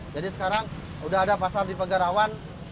jadi sekarang sudah ada pasar di pagarawan